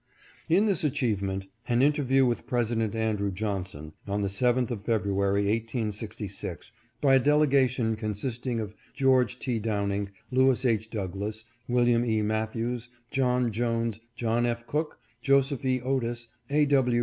In this achievement, an interview with President Andrew Johnson, on the 7th of February, 1866, by a dele gation consisting of George T. Downing, Lewis H. Doug lass, Wm. E. Matthews, John Jones, John F. Cook, Joseph E. Otis, A.